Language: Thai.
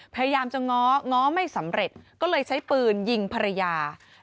พยายามจะง้อง้อไม่สำเร็จก็เลยใช้ปืนยิงภรรยา